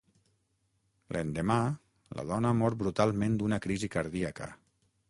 L'endemà, la dona mor brutalment d'una crisi cardíaca.